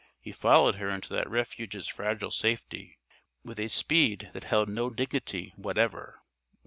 He followed her into that refuge's fragile safety with a speed that held no dignity whatever.